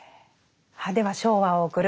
では「『昭和』を送る」